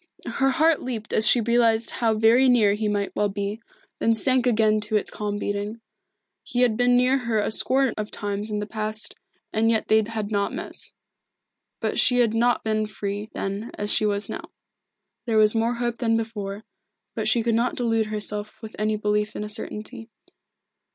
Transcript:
Her heart leaped as she realised how very near he might well be, then sank again to its calm beating. He had been near her a score of times in the past years, and yet they had not met. But she had not been free, then, as she was now. There was more hope than before, but she could not delude herself with any belief in a certainty.